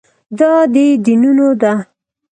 دا د دینونو ده.